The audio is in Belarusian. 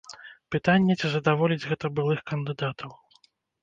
Пытанне, ці задаволіць гэта былых кандыдатаў.